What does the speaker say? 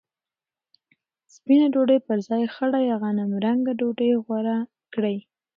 سپینه ډوډۍ پر ځای خړه یا غنمرنګه ډوډۍ غوره کړئ.